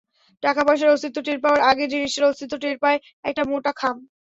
টাকা-পয়সার অস্তিত্ব টের পাওয়ার আগে জিনিসটার অস্তিত্ব টের পায়—একটা মোটা খাম।